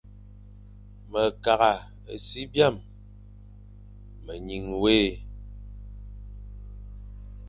Me kagh a si byañ, me nyiñé,